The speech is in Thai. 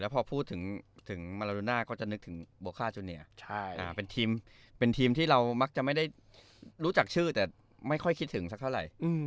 พอพูดถึงมาลาโดน่าก็จะนึกถึงโบค่าจูเนียเป็นทีมที่เรามักจะไม่ได้รู้จักชื่อแต่ไม่ค่อยคิดถึงสักเท่าไหร่